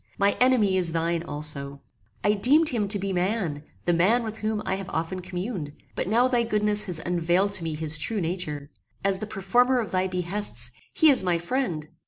My enemy is thine also. I deemed him to be man, the man with whom I have often communed; but now thy goodness has unveiled to me his true nature. As the performer of thy behests, he is my friend."